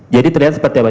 jadi terlihat seperti apa